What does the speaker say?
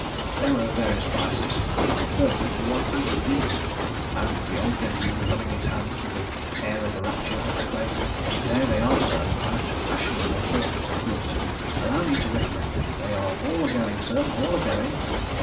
They were of various prices, from thirty to one hundred guineas; and the old gentleman rubbing his hands with an air of rapture, exclaimed, 'There they are, sir; a most fashionable assortment of goods; allow me to recommend them, they're all a going, sir all a going.'